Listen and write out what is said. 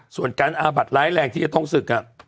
ส่วนการอาบัดร้ายแรงที่จะต้องศึก